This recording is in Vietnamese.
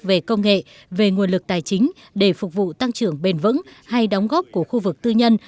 về công nghệ về nguồn lực tài chính để phục vụ tăng trưởng bền vững hay đóng góp của khu vực tư nhân